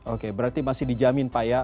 oke berarti masih dijamin pak ya